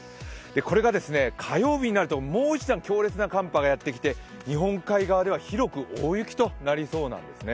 これが火曜日になると、もう一段、強烈な寒波がやってきて日本海側で広く大雪となりそうなんですね。